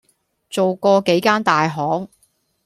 做過幾間大行